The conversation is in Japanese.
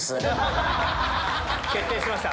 決定しました。